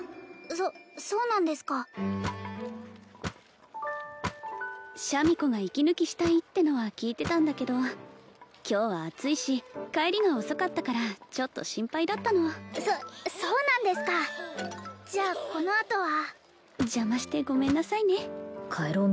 そそうなんですかシャミ子が息抜きしたいってのは聞いてたんだけど今日は暑いし帰りが遅かったからちょっと心配だったのそそうなんですかじゃあこのあとは邪魔してごめんなさいね帰ろう